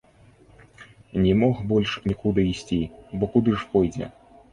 Не мог больш нікуды ісці, бо куды ж пойдзе?